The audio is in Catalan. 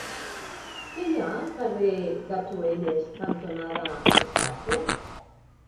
Què hi ha al carrer Gatuelles cantonada Alsàcia?